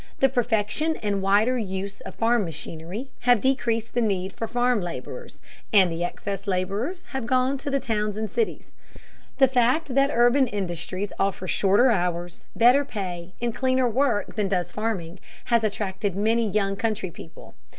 The perfection and wider use of farm machinery have decreased the need for farm laborers, and the excess laborers have gone to the towns and cities. The fact that urban industries offer shorter hours, better pay, and cleaner work than does farming has attracted many young country people.